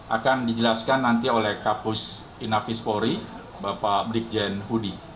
akan dijelaskan nanti oleh kapus inafis polri bapak brigjen hudi